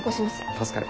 助かる。